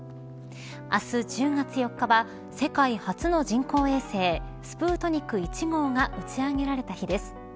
明日１０月４日は世界初の人工衛星スプートニク１号が打ち上げられた日です。